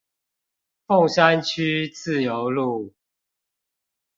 鳳山區自由路